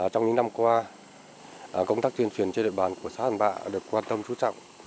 trong những năm qua công tác tuyên truyền trên địa bàn của xã hàn bạ được quan tâm trú trọng